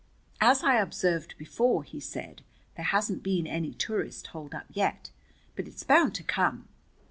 "As I observed before," he said, "there hasn't been any tourist holdup yet. But it's bound to come.